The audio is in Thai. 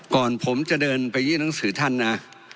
ก่อนผมจะเดินไปยื่นหนังสือท่านนะ